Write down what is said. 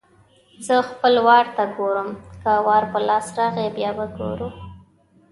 زه خپل وار ته ګورم؛ که وار په لاس راغی - بیا به ګورو.